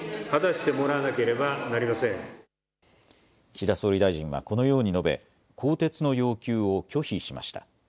岸田総理大臣はこのように述べ更迭の要求を拒否しました。